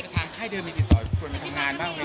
เป็นทางไข้เดิมมีติดต่อควรมาทำงานบ้างไหม